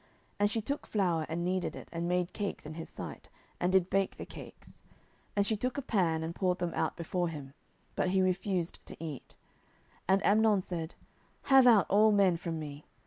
And she took flour, and kneaded it, and made cakes in his sight, and did bake the cakes. 10:013:009 And she took a pan, and poured them out before him; but he refused to eat. And Amnon said, Have out all men from me.